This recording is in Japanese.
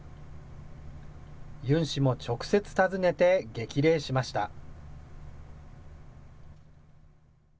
ユン氏も直接訪ねて激励しました。